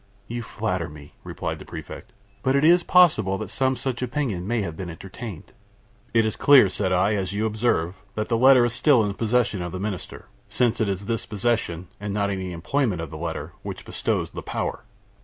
"You flatter me," replied the Prefect; "but it is possible that some such opinion may have been entertained." "It is clear," said I, "as you observe, that the letter is still in the possession of the Minister; since it is this possession, and not any employment of the letter, which bestows the power.